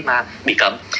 mà bị cấm